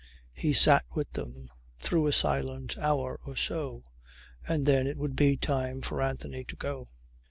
He sat with them, through a silent hour or so, and then it would be time for Anthony to go.